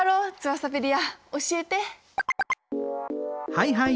はいはい